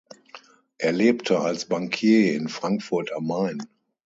Er lebte als Bankier in Frankfurt am Main.